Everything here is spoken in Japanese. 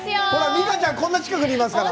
美佳ちゃん、こんな近くにいますから。